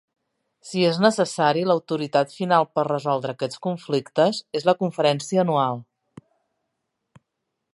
Si és necessari, l'autoritat final per resoldre aquests conflictes és la Conferència Anual.